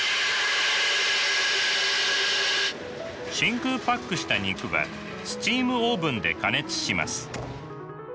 真空パックした肉はスチームオーブンで加熱します。